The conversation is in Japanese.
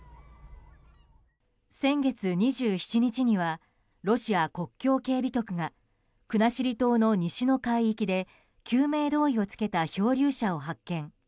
先月２７日にはロシア国境警備局が国後島の西の海域で救命胴衣を着けた漂流者を発見。